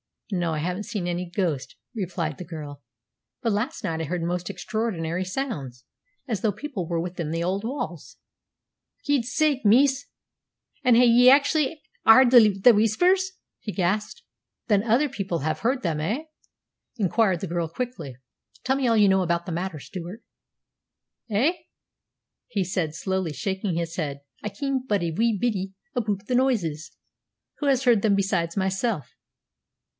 "No, I haven't seen any ghost," replied the girl; "but last night I heard most extraordinary sounds, as though people were within the old walls." "Guid sake, miss! an' ha'e ye actually h'ard the Whispers?" he gasped. "Then other people have heard them, eh?" inquired the girl quickly. "Tell me all you know about the matter, Stewart." "A'?" he said, slowly shaking his head. "I ken but a wee bittie aboot the noises." "Who has heard them besides myself?"